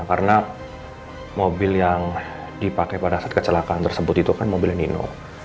karena mobil yang dipake pada saat kecelakaan tersebut itu kan mobilnya nino